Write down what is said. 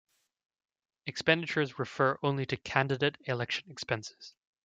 Expenditures refer only to candidate election expenses.